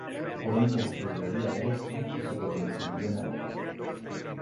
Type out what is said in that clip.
Pronto estudiaría derecho y se convertiría en abogado.